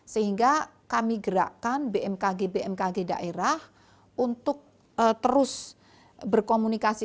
sehingga kami gerakkan bmkg bmkg daerah untuk terus berkomunikasi